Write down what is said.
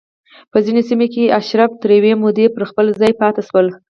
په ځینو سیمو کې اشراف تر یوې مودې پر خپل ځای پاتې شول